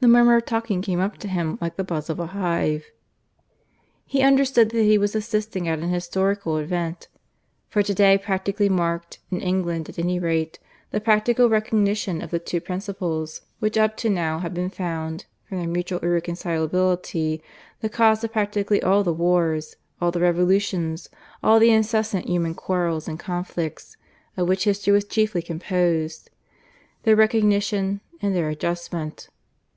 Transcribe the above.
The murmur of talking came up to him like the buzz of a hive. He understood that he was assisting at an historical event. For to day practically marked, in England at any rate, the practical recognition of the two principles which up to now had been found, from their mutual irreconcilability, the cause of practically all the wars, all the revolutions, all the incessant human quarrels and conflicts, of which history was chiefly composed their recognition and their adjustment.